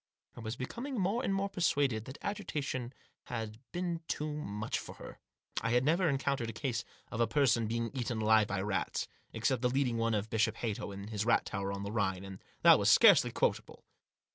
I was becoming more and more persuaded that agitation had been too much for her. I had never encountered a case of a person being eaten alive by rats, except the leading one of Bishop Hatto in his rat tower on the Rhine, and that was scarcely quotable.